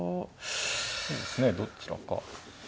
そうですねどちらか。